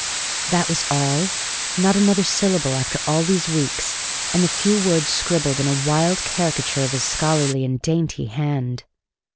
That was all! Not another syllable after all these weeks, and the few words scribbled in a wild caricature of his scholarly and dainty hand!